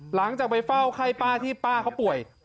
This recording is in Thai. หลังจากไปเฝ้าไข้ป้าที่ป้าเขาป่วย